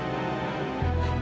tinggal di rumah saya